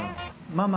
ママ！